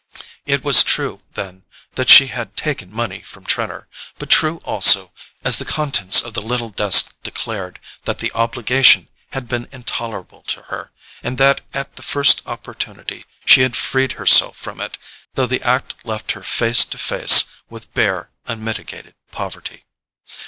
It was true, then, that she had taken money from Trenor; but true also, as the contents of the little desk declared, that the obligation had been intolerable to her, and that at the first opportunity she had freed herself from it, though the act left her face to face with bare unmitigated poverty.